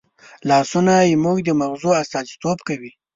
لاسونه زموږ د مغزو استازیتوب کوي